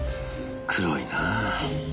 黒いなぁ。